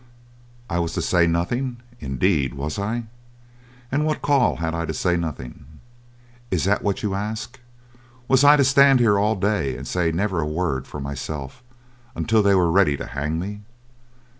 "I was to say nothing, indeed, was I? And what call had I to say nothing? Is that what you ask? Was I to stand here all day and say never a word for myself until they were ready to hang me?